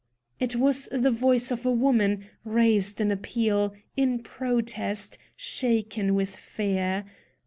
It was the voice of a woman, raised in appeal, in protest, shaken with fear.